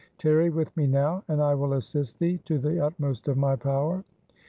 Tarry with me now, and I will assist thee to the utmost of my power.